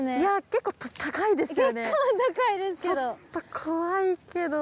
結構高いですけど。